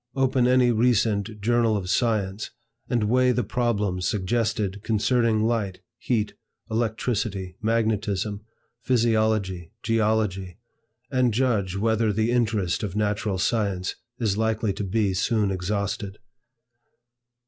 Open any recent journal of science, and weigh the problems suggested concerning Light, Heat, Electricity, Magnetism, Physiology, Geology, and judge whether the interest of natural science is likely to be soon exhausted.